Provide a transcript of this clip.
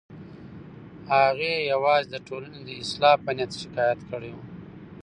هغې یوازې د ټولنې د اصلاح په نیت شکایت کړی و.